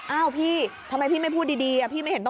เอ้าพี่ทำไมพี่ไม่พูดดี